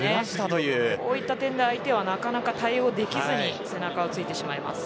そういった点では相手はなかなか対応できずに背中をついてしまいます。